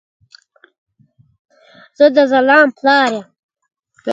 زه د ځلاند پلار يم